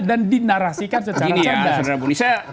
dan dinarasikan secara cerdas